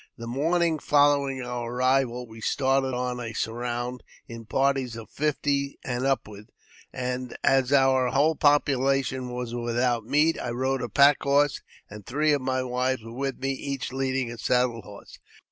The morning following our arrival we started on a surround, in parties of fifty and upward, as our whole popu lation was without meat. I rode a pack horse, and three of my wives were with me, each leading a saddle horse.